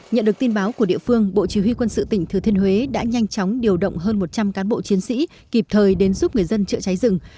nhận được tin báo của địa phương bộ chỉ huy quân sự tỉnh thừa thiên huế đã nhanh chóng điều động hơn một trăm linh cán bộ chiến sĩ kịp thời đến giúp người dân chữa cháy rừng